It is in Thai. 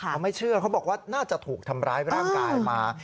เขาไม่เชื่อเขาบอกว่าน่าจะถูกทำร้ายร่างกายมา